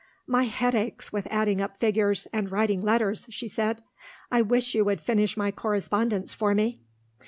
"My head aches with adding up figures, and writing letters," she said. "I wish you would finish my correspondence for me."